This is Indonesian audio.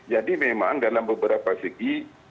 jadi memang dalam beberapa segi